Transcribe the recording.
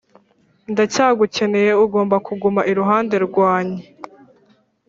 ndacyagukeneye; ugomba kuguma iruhande rwanye "